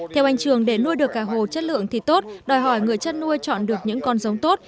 theo anh trường để nuôi được cả hồ chất lượng thì tốt đòi hỏi người chăn nuôi chọn được những con giống tốt